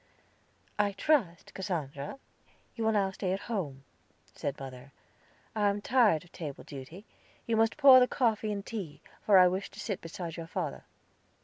"I trust, Cassandra, you will now stay at home," said mother; "I am tired of table duty; you must pour the coffee and tea, for I wish to sit beside your father."